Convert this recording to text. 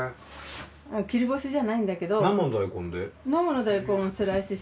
切り干じゃないんだけど。